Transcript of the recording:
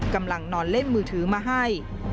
กำลังนอนเล่นมือถือมาให้